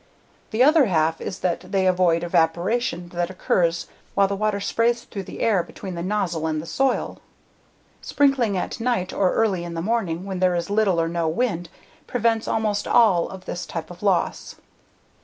The other half is that they avoiding evaporation that occurs while water sprays through the air between the nozzle and the soil. Sprinkling at night or early in the morning, when there is little or no wind, prevents almost all of this type of loss.